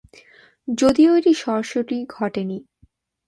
যদিও এটি সরাসরি ঘটেনি।